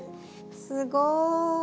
すごい。